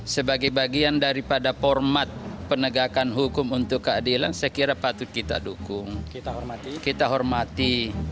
sebagai bagian daripada format penegakan hukum untuk keadilan saya kira patut kita dukung kita hormati